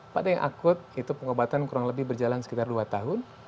pada yang akut itu pengobatan kurang lebih berjalan sekitar dua tahun